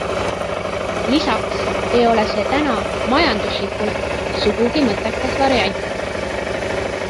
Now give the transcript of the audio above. Lisaks ei ole see täna majanduslikult sugugi mõttekas variant.